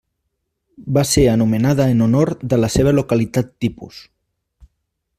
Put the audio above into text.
Va ser anomenada en honor de la seva localitat tipus.